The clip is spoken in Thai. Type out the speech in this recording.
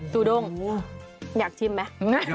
จูด้งอยากชิมไหม